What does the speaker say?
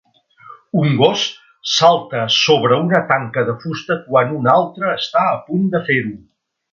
Un gos salta sobre una tanca de fusta quan un altre està a punt de fer-ho.